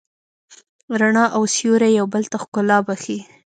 رڼا او سیوری یو بل ته ښکلا بښي.